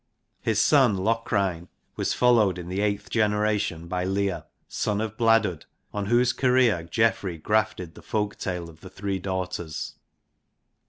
His son Locrine was followed in the eighth generation by Lear (son of Bladud), on whose career Geoffrey grafted the folk tale of the three daughters.